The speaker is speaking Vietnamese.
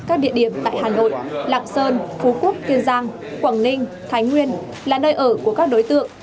các địa điểm tại hà nội lạc sơn phú quốc kiên giang quảng ninh thái nguyên là nơi ở của các đối tượng